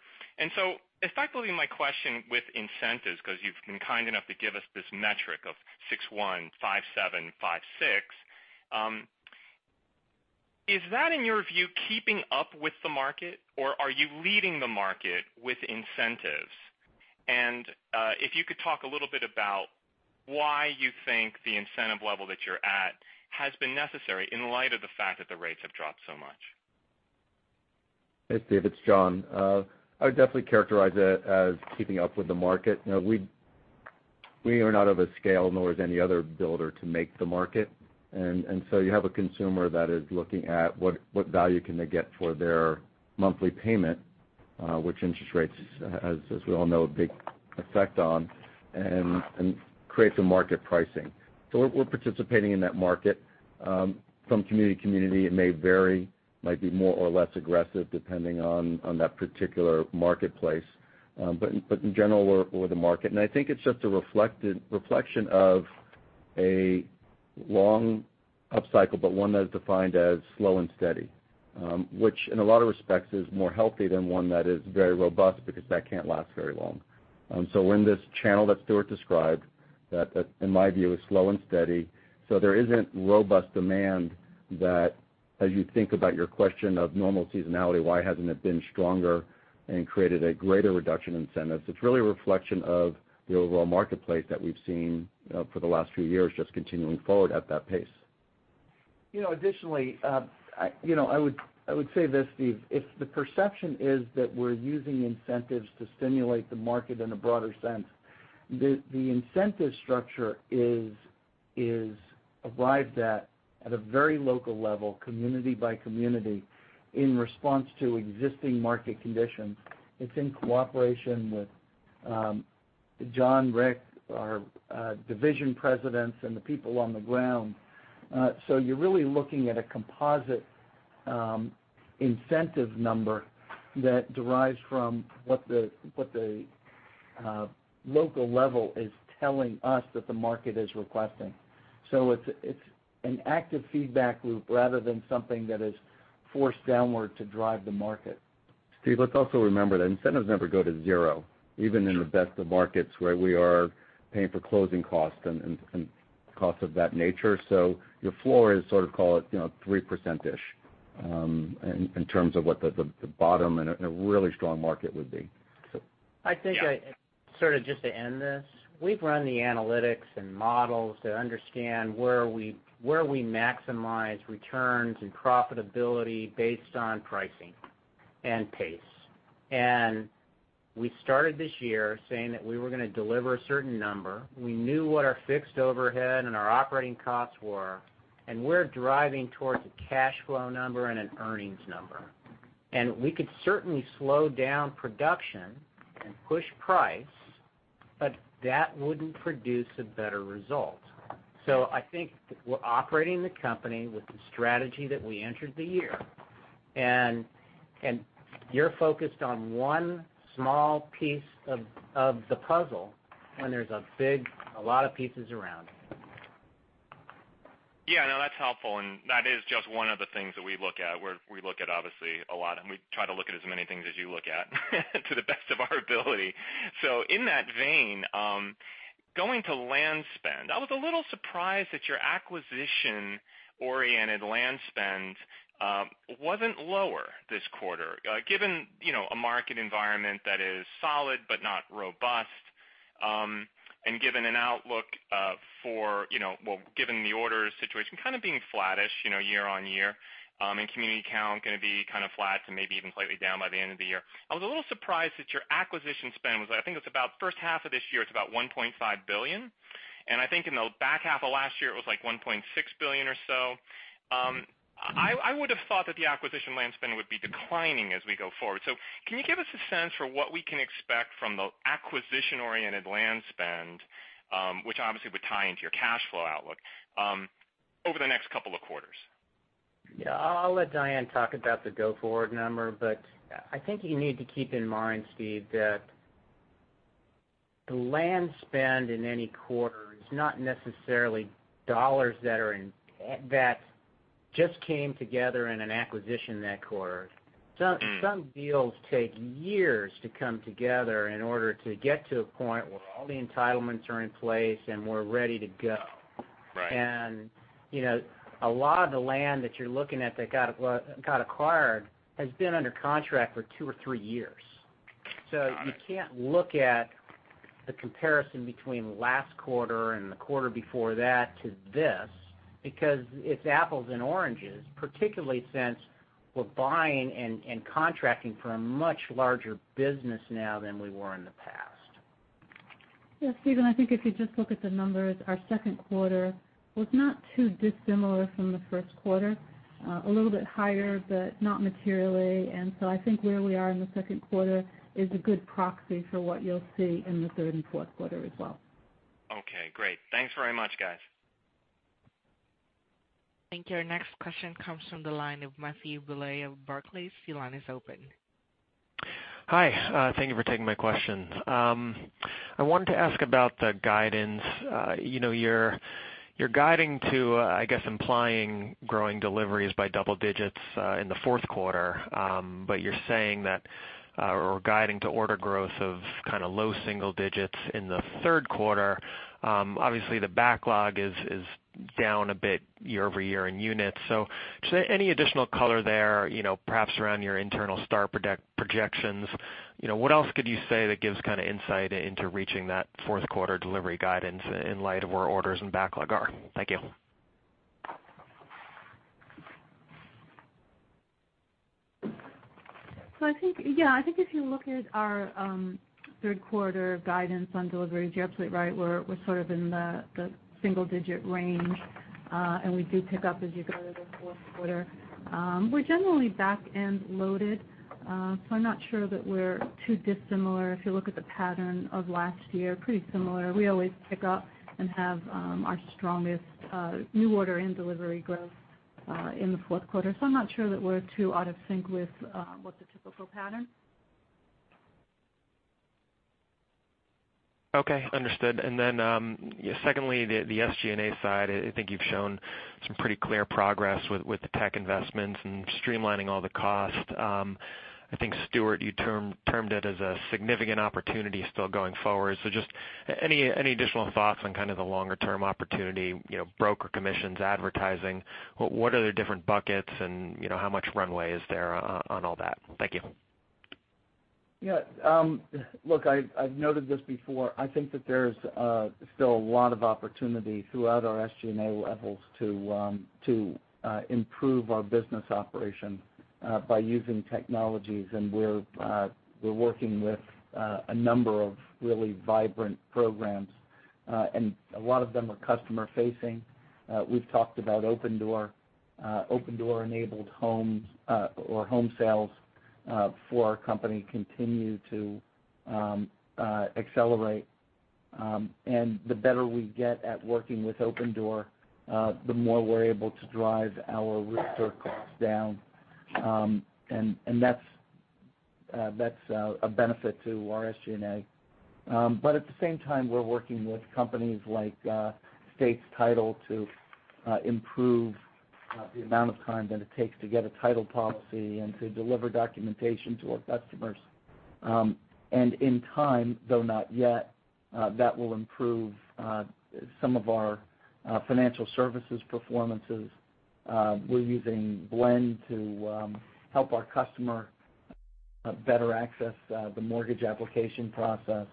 Effectively my question with incentives, because you've been kind enough to give us this metric of six one, five seven, five six, is that in your view, keeping up with the market, or are you leading the market with incentives? If you could talk a little bit about why you think the incentive level that you're at has been necessary in light of the fact that the rates have dropped so much. Hey, Steve, it's Jon. I would definitely characterize it as keeping up with the market. We are not of a scale, nor is any other builder, to make the market. You have a consumer that is looking at what value can they get for their monthly payment, which interest rates, as we all know, have a big effect on, and creates a market pricing. We're participating in that market. From community to community, it may vary, might be more or less aggressive depending on that particular marketplace. In general, we're the market, and I think it's just a reflection of a long upcycle, but one that is defined as slow and steady. Which in a lot of respects is more healthy than one that is very robust, because that can't last very long. We're in this channel that Stuart described, that in my view is slow and steady. There isn't robust demand that as you think about your question of normal seasonality, why hasn't it been stronger and created a greater reduction in incentives? It's really a reflection of the overall marketplace that we've seen for the last few years, just continuing forward at that pace. I would say this, Steve, if the perception is that we're using incentives to stimulate the market in a broader sense, the incentive structure is arrived at a very local level, community by community, in response to existing market conditions. It's in cooperation with Jon, Rick, our division presidents, and the people on the ground. You're really looking at a composite incentive number that derives from what the local level is telling us that the market is requesting. It's an active feedback loop rather than something that is forced downward to drive the market. Steve, let's also remember that incentives never go to zero, even in the best of markets where we are paying for closing costs and costs of that nature. Your floor is sort of, call it, 3%-ish, in terms of what the bottom in a really strong market would be. I think, sort of just to end this, we've run the analytics and models to understand where we maximize returns and profitability based on pricing and pace. We started this year saying that we were going to deliver a certain number. We knew what our fixed overhead and our operating costs were, we're driving towards a cash flow number and an earnings number. We could certainly slow down production and push price, but that wouldn't produce a better result. I think we're operating the company with the strategy that we entered the year. You're focused on one small piece of the puzzle when there's a lot of pieces around it. Yeah, no, that's helpful. That is just one of the things that we look at, we look at obviously a lot, and we try to look at as many things as you look at, to the best of our ability. In that vein, going to land spend. I was a little surprised that your acquisition-oriented land spend wasn't lower this quarter, given a market environment that is solid but not robust, and given an outlook for Given the orders situation kind of being flattish year-over-year, and community count going to be kind of flat to maybe even slightly down by the end of the year. I was a little surprised that your acquisition spend was, I think first half of this year, it's about $1.5 billion. I think in the back half of last year, it was like $1.6 billion or so. I would've thought that the acquisition land spend would be declining as we go forward. Can you give us a sense for what we can expect from the acquisition-oriented land spend, which obviously would tie into your cash flow outlook, over the next couple of quarters? Yeah. I'll let Diane talk about the go-forward number, I think you need to keep in mind, Steve, that the land spend in any quarter is not necessarily dollars that just came together in an acquisition that quarter. Some deals take years to come together in order to get to a point where all the entitlements are in place and we're ready to go. Right. A lot of the land that you're looking at that got acquired has been under contract for two or three years. You can't look at the comparison between last quarter and the quarter before that to this, because it's apples and oranges, particularly since we're buying and contracting for a much larger business now than we were in the past. Yeah, Steven, I think if you just look at the numbers, our second quarter was not too dissimilar from the first quarter. A little bit higher, but not materially. I think where we are in the second quarter is a good proxy for what you'll see in the third and fourth quarter as well. Okay, great. Thanks very much, guys. Thank you. Our next question comes from the line of Matthew Bouley of Barclays. Your line is open. Hi. Thank you for taking my question. I wanted to ask about the guidance. You're guiding to, I guess, implying growing deliveries by double digits in the fourth quarter. You're saying that, or guiding to order growth of kind of low single digits in the third quarter. Obviously, the backlog is down a bit year-over-year in units. Just any additional color there, perhaps around your internal star projections. What else could you say that gives insight into reaching that fourth quarter delivery guidance in light of where orders and backlog are? Thank you. I think if you look at our third quarter guidance on deliveries, you're absolutely right. We're sort of in the single-digit range. We do pick up as you go to the fourth quarter. We're generally back-end loaded, I'm not sure that we're too dissimilar. If you look at the pattern of last year, pretty similar. We always pick up and have our strongest new order and delivery growth in the fourth quarter. I'm not sure that we're too out of sync with the typical pattern. Okay. Understood. Secondly, the SG&A side, I think you've shown some pretty clear progress with the tech investments and streamlining all the costs. I think, Stuart, you termed it as a significant opportunity still going forward. Just any additional thoughts on kind of the longer-term opportunity, broker commissions, advertising? What are the different buckets, and how much runway is there on all that? Thank you. Yeah. Look, I've noted this before. I think that there's still a lot of opportunity throughout our SG&A levels to improve our business operation by using technologies, and we're working with a number of really vibrant programs. A lot of them are customer-facing. We've talked about Opendoor enabled homes or home sales for our company continue to accelerate. The better we get at working with Opendoor, the more we're able to drive our re-circ costs down. That's a benefit to our SG&A. At the same time, we're working with companies like States Title to improve the amount of time that it takes to get a title policy and to deliver documentation to our customers. In time, though not yet, that will improve some of our financial services performances. We're using Blend to help our customer better access the mortgage application process.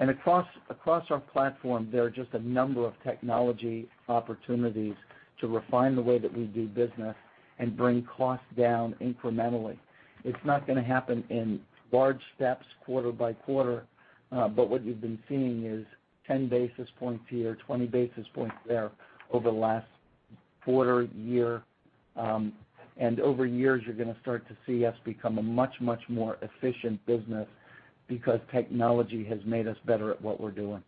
Across our platform, there are just a number of technology opportunities to refine the way that we do business and bring costs down incrementally. It's not going to happen in large steps quarter by quarter, but what you've been seeing is 10 basis points here, 20 basis points there over the last quarter, year. Over years, you're going to start to see us become a much, much more efficient business because technology has made us better at what we're doing.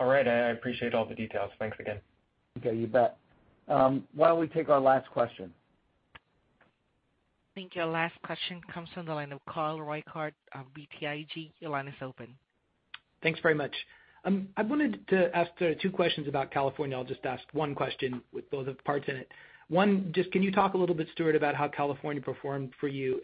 All right. I appreciate all the details. Thanks again. Okay, you bet. Why don't we take our last question? I think your last question comes from the line of Carl Reichardt of BTIG. Your line is open. Thanks very much. I wanted to ask 2 questions about California. I'll just ask 1 question with both parts in it. 1, just can you talk a little bit, Stuart, about how California performed for you?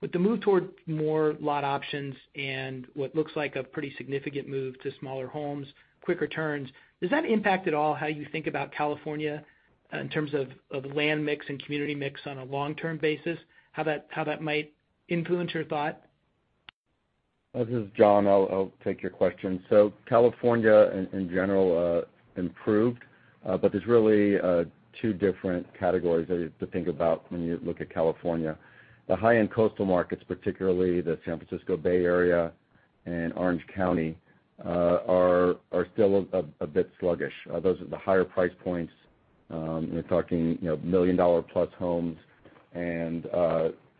With the move toward more lot options and what looks like a pretty significant move to smaller homes, quicker turns, does that impact at all how you think about California in terms of land mix and community mix on a long-term basis? How that might influence your thought? This is Jon. I'll take your question. California in general improved, but there's really 2 different categories to think about when you look at California. The high-end coastal markets, particularly the San Francisco Bay Area and Orange County, are still a bit sluggish. Those are the higher price points. You're talking million-dollar-plus homes and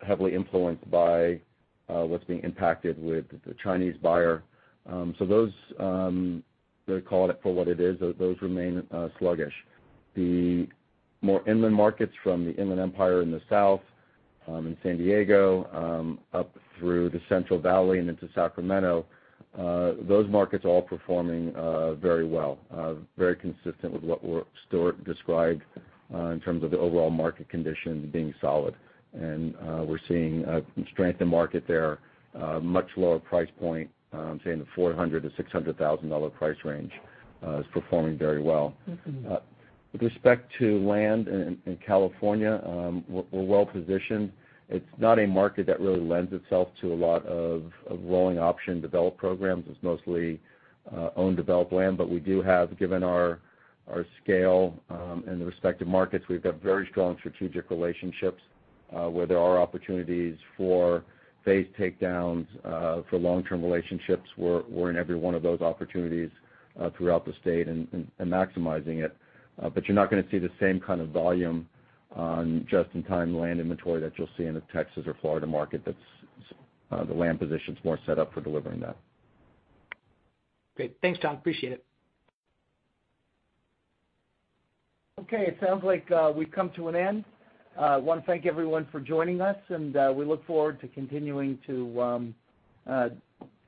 heavily influenced by what's being impacted with the Chinese buyer. Those, to call it for what it is, those remain sluggish. The more inland markets from the Inland Empire in the south, in San Diego, up through the Central Valley, and into Sacramento, those markets are all performing very well, very consistent with what Stuart described in terms of the overall market conditions being solid. We're seeing strength in market there, much lower price point, saying the $400,000-$600,000 price range is performing very well. With respect to land in California, we're well-positioned. It's not a market that really lends itself to a lot of rolling option develop programs. It's mostly own develop land. We do have, given our scale in the respective markets, we've got very strong strategic relationships where there are opportunities for phase takedowns for long-term relationships. We're in every one of those opportunities throughout the state and maximizing it. You're not going to see the same kind of volume on just-in-time land inventory that you'll see in the Texas or Florida market. The land position's more set up for delivering that. Great. Thanks, Jon. Appreciate it. Okay. It sounds like we've come to an end. I want to thank everyone for joining us, and we look forward to continuing to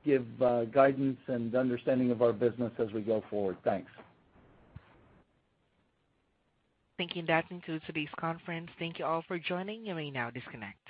give guidance and understanding of our business as we go forward. Thanks. Thank you. That concludes today's conference. Thank you all for joining. You may now disconnect.